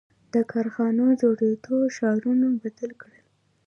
• د کارخانو جوړېدو ښارونه بدل کړل.